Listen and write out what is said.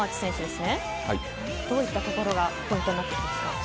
どういったところがポイントになってきますか？